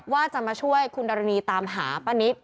ว่าจะมาช่วยคุณดรณีตามหาป้านิต